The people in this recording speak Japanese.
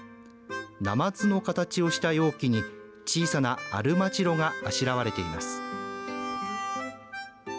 ナマズの形をした容器に小さなアルマジロがあしらわれています。